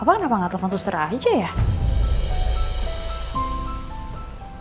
apa kenapa gak telfon suster aja ya